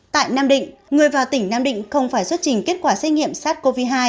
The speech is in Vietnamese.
tại nam định người vào tỉnh nam định không phải xuất trình kết quả xét nghiệm sars cov hai